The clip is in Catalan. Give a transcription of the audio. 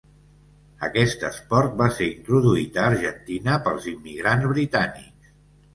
Aquest esport va ser introduït a Argentina pels immigrants britànics.